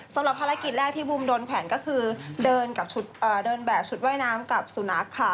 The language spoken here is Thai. สำหรับภารกิจแรกที่บูมโดนแขวนก็คือเดินกับชุดเดินแบบชุดว่ายน้ำกับสุนัขค่ะ